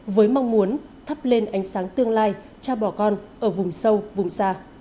với mong muốn thắp lên ánh sáng tương lai trao bỏ con ở vùng sâu vùng xa